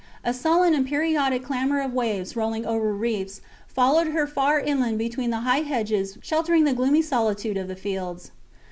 A sullen and periodic clamour of waves rolling over reefs followed her far inland between the high hedges sheltering the gloomy solitude of the fields.